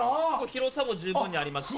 広さも十分にありますし。